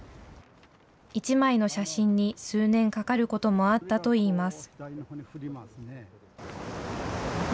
１枚の写真に数年かかることもあったといいます。